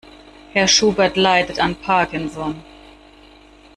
Herr Schubert leidet an Parkinson.